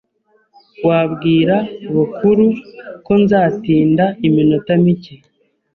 Wabwira Bukuru ko nzatinda iminota mike?